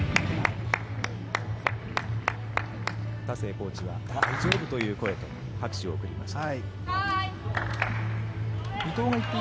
コーチが大丈夫という声と拍手を送りました。